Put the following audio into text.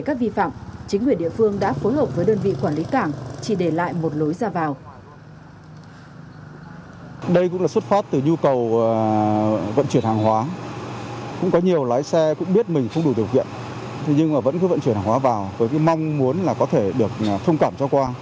các vi phạm chính quyền địa phương đã phát triển các vi phạm